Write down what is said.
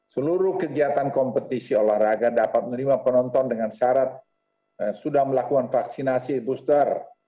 seluruh kegiatan kompetisi olahraga dapat menerima penonton dengan syarat sudah melakukan vaksinasi booster